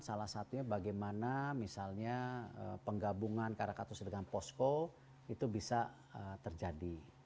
salah satunya bagaimana misalnya penggabungan caracat hostile dengan posco itu bisa terjadi